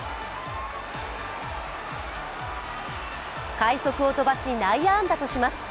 快足を飛ばし内野安打とします。